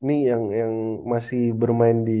ini yang masih bermain di